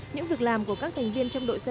những việc làm của các thành viên trong đội xe